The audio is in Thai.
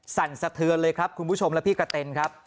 สั่นสะเทือนเลยครับคุณผู้ชมและพี่กะเต็นครับ